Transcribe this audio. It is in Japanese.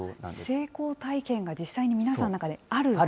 成功体験が実際に皆さんの中である。